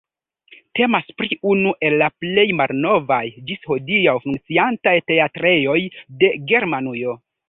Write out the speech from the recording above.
Temas pri unu el la plej malnovaj ĝis hodiaŭ funkciantaj teatrejoj de Germanujo.